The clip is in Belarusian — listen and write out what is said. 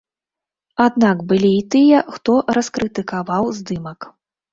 Аднак былі і тыя, хто раскрытыкаваў здымак.